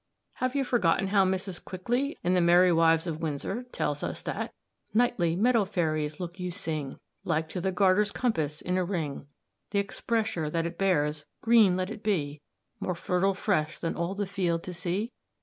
Have you forgotten how Mrs. Quickly, in the Merry Wives of Windsor, tells us that "'nightly, meadow fairies, look you sing, Like to the Garter's compass, in a ring: The expressure that it bears, green let it be, More fertile fresh than all the field to see'?